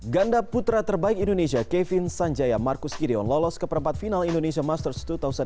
ganda putra terbaik indonesia kevin sanjaya marcus gideon lolos ke perempat final indonesia masters dua ribu delapan belas